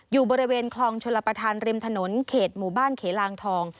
อยู่บริเวณคลองชลประธานริมถนนเขตหมู่บ้านเขลางทอง